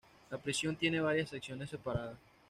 La prisión tiene varias secciones separadas.